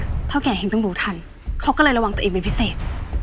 ช่วงเนี้ยท่อเก๋แห้งต้องรู้ทันเขาก็เลยระวังตัวเองเป็นพิเศษ